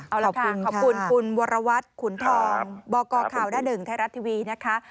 เอาล่ะค่ะขอบคุณคุณวรวัตรขุนทองบกข่าวหน้าหนึ่งไทยรัฐทีวีนะคะ